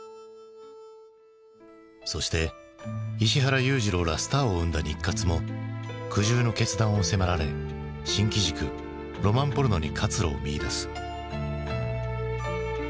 そして石原裕次郎らスターを生んだ日活も苦渋の決断を迫られ新機軸ロマンポルノに活路を見いだす。